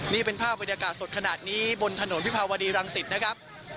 นี่เป็นภาพบรรยากาศสดขนาดนี้บนถนนวิภาวดีรังสิตนะครับ